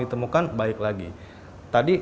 ditemukan baik lagi tadi